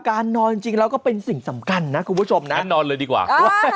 นอนจริงแล้วก็เป็นสิ่งสำคัญนะคุณผู้ชมนะนอนเลยดีกว่า